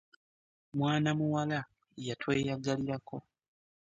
Mwana muwala yatweyagalirako.